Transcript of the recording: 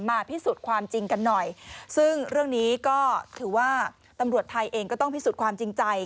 พิสูจน์ความจริงกันหน่อยซึ่งเรื่องนี้ก็ถือว่าตำรวจไทยเองก็ต้องพิสูจน์ความจริงใจ